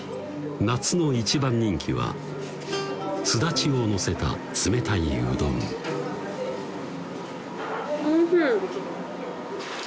夏の一番人気はすだちをのせた冷たいうどん美味しい